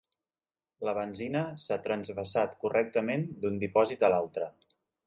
La benzina s'ha transvasat correctament d'un dipòsit a l'altre.